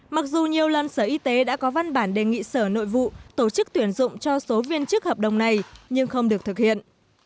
mặc dù nhiều lần sở y tế đã có văn bản đề nghị sở nội vụ tổ chức tuyển dụng cho số viên chức hợp đồng này nhưng không được thực hiện